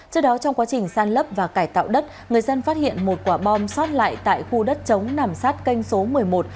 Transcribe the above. trước đó trong quá trình san lấp và cải tạo đất người dân phát hiện một quả bom xót lại tại khu đất chống nằm sát kênh số một mươi một